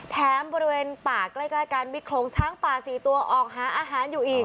แถมบริเวณป่ากล้ายการบิคลงช้างป่า๔ตัวออกหาอาหารอยู่อีก